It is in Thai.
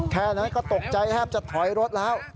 แค่นั้นก็ตกใจแทบจะถอยรถแล้ว